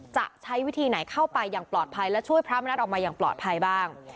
จะใช้วิธีไหนเข้าไปอย่างปลอดภัยและช่วยพระมณัฐออกมาอย่างปลอดภัยบ้าง